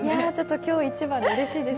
今日、一番でうれしいです。